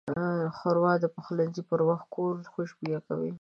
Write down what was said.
ښوروا د پخلي پر وخت کور خوشبویه کوي.